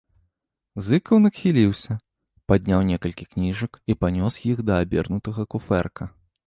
Зыкаў нахіліўся, падняў некалькі кніжак і панёс іх да абернутага куфэрка.